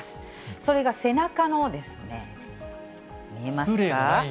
それが背中のですね、見えますか。